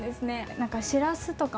何かしらすとかも。